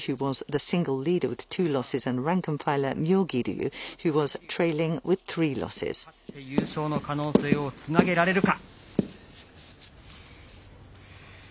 勝って優勝の可能性をつなげられるか。